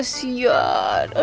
lu mau ke depan karin